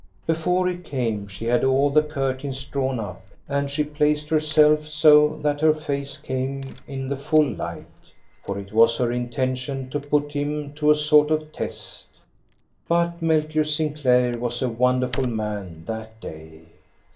Before he came, she had all the curtains drawn up, and she placed herself so that her face came in the full light. For it was her intention to put him to a sort of THE AUCTION AT BJORNE i6i test; but Melchior Sinclair was a wonderful man that day.